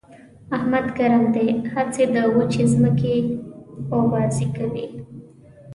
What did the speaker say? احمد ګرم دی؛ هسې د وچې ځمکې اوبازي کوي.